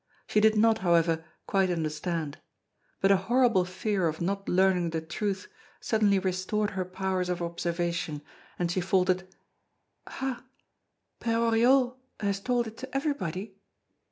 She did not, however, quite understand; but a horrible fear of not learning the truth suddenly restored her powers of observation, and she faltered: "Ha! Père Oriol has told it to everybody?"